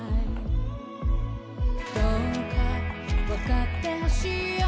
「どうか分かって欲しいよ」